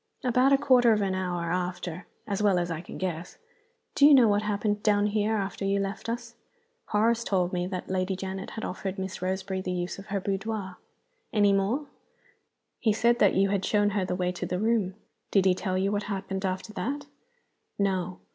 "About a quarter of an hour after, as well as I can guess." "Do you know what happened down here after you left us?" "Horace told me that Lady Janet had offered Miss Roseberry the use of her boudoir." "Any more?" "He said that you had shown her the way to the room." "Did he tell you what happened after that?" "No."